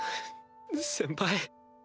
先輩。